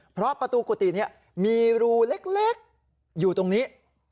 เพราะประตูกุฏินี้มีรูเล็กอยู่ตรงนี้